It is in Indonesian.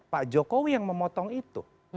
pak jokowi yang memotong itu